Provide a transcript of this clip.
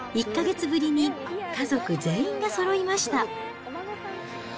１か月ぶりに家族全員がそろいました。